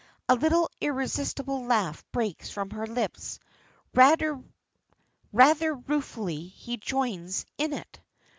A little irresistible laugh breaks from her lips. Rather ruefully he joins in it.